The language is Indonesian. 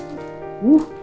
lain selain dokter